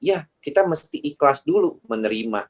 ya kita mesti ikhlas dulu menerima